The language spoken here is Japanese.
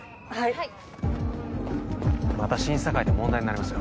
はいまた審査会で問題になりますよ